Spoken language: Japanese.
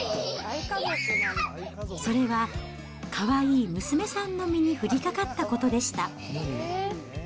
それは、かわいい娘さんの身に降りかかったことでした。